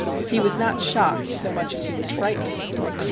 He was not shocked so much as he was frightened.